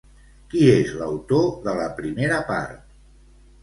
Qui és l'autor de la primera part?